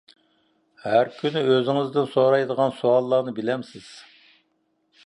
ھەر كۈنى ئۆزىڭىزدىن سورايدىغان سوئاللارنى بىلەمسىز؟